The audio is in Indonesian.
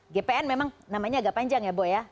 gpn memang namanya agak panjang ya boya